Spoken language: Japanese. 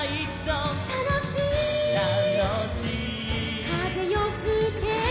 「たのしい」「たのしい」「かぜよふけ」